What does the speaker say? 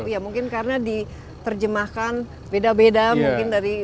ya mungkin karena diterjemahkan beda beda mungkin dari